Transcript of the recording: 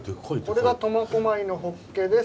これが苫小牧のホッケです。